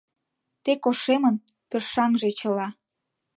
Тек ошемын пӧршаҥже чыла.